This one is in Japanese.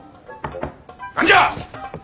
何じゃ！